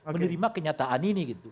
menerima kenyataan ini